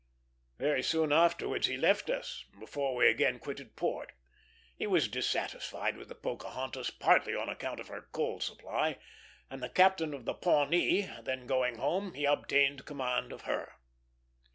Very soon afterwards he left us, before we again quitted port. He was dissatisfied with the Pocahontas, partly on account of her coal supply; and the captain of the Pawnee then going home, he obtained command of her.